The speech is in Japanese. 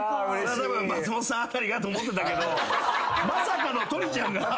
松本さん辺りがと思ってたけどまさかのトリちゃんが。